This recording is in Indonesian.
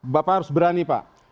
bapak harus berani pak